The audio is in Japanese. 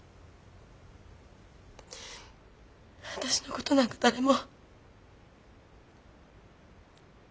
私の事なんか誰も。